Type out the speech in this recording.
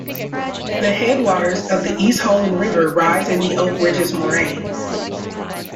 The headwaters of the East Holland River rise in the Oak Ridges Moraine.